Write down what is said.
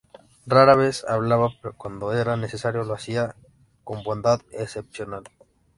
Rara vez hablaba, pero cuando era necesario, lo hacía con bondad excepcional.